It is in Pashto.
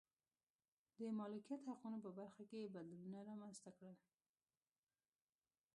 د مالکیت حقونو په برخه کې یې بدلونونه رامنځته کړل.